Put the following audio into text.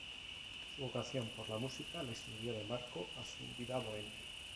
Su vocación por la música le sirvió de marco a su vida bohemia.